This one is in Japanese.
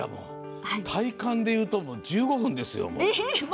体感で言うと１５分ですよ。